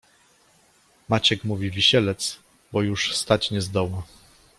Maciek mówi wisielec, bo już stać nie zdoła